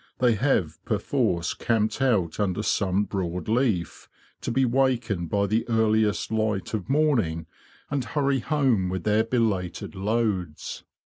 They have perforce camped out under some broad leaf, to be wakened by the earliest light of morning and hurry home with their belated loads.